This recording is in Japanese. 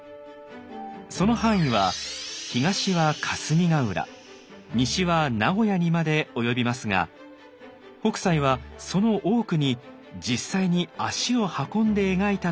その範囲は東は霞ヶ浦西は名古屋にまで及びますが北斎はその多くに実際に足を運んで描いたといわれています。